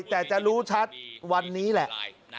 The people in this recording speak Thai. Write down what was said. แต่จะรู้ชัดวันนี้แหละ